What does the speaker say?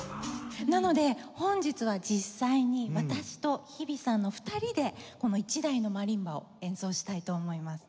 なので本日は実際に私と日比さんの２人でこの１台のマリンバを演奏したいと思います。